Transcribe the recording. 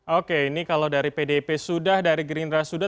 oke ini kalau dari pdip sudah dari gerindra sudah